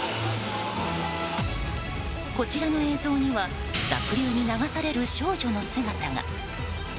こちらの映像には濁流に流される少女の姿が。